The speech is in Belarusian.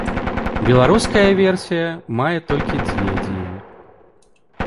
Беларуская версія мае толькі дзве дзеі.